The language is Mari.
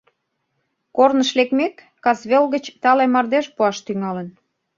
Корныш лекмек, касвел гыч тале мардеж пуаш тӱҥалын.